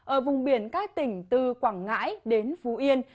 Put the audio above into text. ở vùng biển các tỉnh từ quảng ngãi đến phú yên